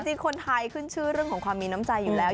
จริงคนไทยขึ้นชื่อเรื่องของความมีน้ำใจอยู่แล้ว